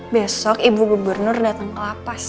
besok ibu gubernur datang ke lapas